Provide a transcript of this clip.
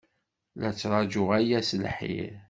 La ttṛajuɣ aya s lḥir.